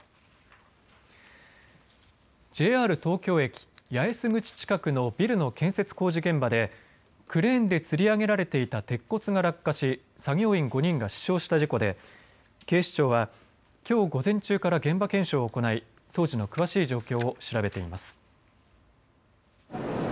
ＪＲ東京駅八重洲口近くのビルの建設工事現場でクレーンでつり上げられていた鉄骨が落下し作業員５人が死傷した事故で警視庁はきょう午前中から現場検証を行い当時の詳しい状況を調べています。